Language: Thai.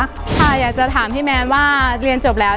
ค่ะอยากจะถามพี่แมนว่าเรียนจบแล้ว